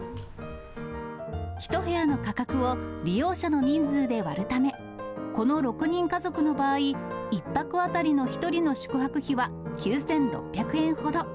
１部屋の価格を利用者の人数で割るため、この６人家族の場合、１泊当たりの１人の宿泊費は９６００円ほど。